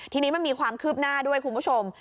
ทีนี้มันมีความคืบหน้าด้วยคุณผู้ชม